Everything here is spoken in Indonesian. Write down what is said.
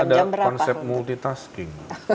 kan ada konsep multitasking